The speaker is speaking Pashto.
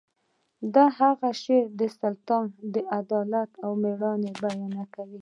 د هغه شعر د سلطان د عدالت او میړانې بیان کوي